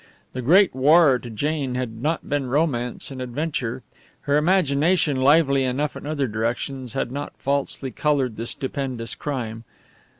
The Great War to Jane had not been romance and adventure; her imagination, lively enough in other directions, had not falsely coloured the stupendous crime.